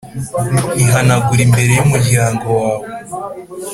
ihanagura imbere y'umuryango wawe.